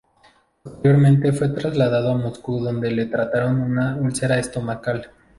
Posteriormente fue trasladado a Moscú, donde le trataron una úlcera estomacal.